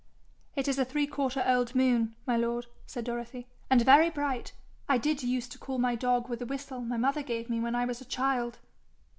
'It is a three quarter old moon, my lord,' said Dorothy, 'and very bright. I did use to call my dog with a whistle my mother gave me when I was a child.'